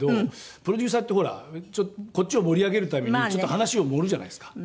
プロデューサーってほらこっちを盛り上げるためにちょっと話を盛るじゃないですか。